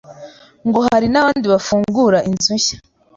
Ngo hari n’abandi bafungura inzu nshya